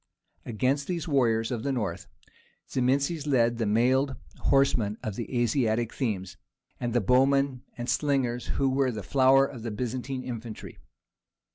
Against these warriors of the North Zimisces led the mailed horsemen of the Asiatic themes, and the bowmen and slingers who were the flower of the Byzantine infantry.